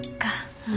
うん。